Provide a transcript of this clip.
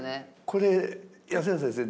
これ安村先生